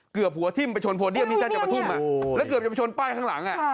เกือบหัวทิ้มไปชนโพเดียมที่ท่านจะประทุ่มแล้วเกือบจะไปชนป้ายข้างหลัง